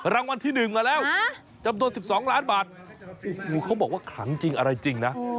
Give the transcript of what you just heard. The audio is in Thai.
รางวัลที่๑มาแล้วจำนวน๑๒ล้านบาทโอ้โหเขาบอกว่าขลังจริงอะไรจริงนะ